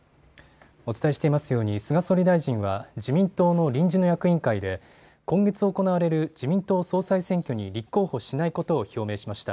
お伝えしていますように菅総理大臣は自民党の臨時の役員会で今月行われる自民党総裁選挙に立候補しないことを表明しました。